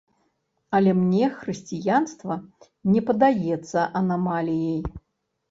Але мне хрысціянства не падаецца анамаліяй.